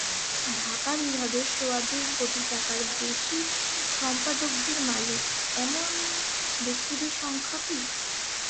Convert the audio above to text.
ঢাকা বিভাগেই সোয়া দুই কোটি টাকার বেশি সম্পদের মালিক, এমন ব্যক্তিদের সংখ্যা কি?